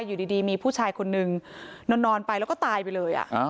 อยู่ดีมีผู้ชายคนนึงนอนไปแล้วก็ตายไปเลย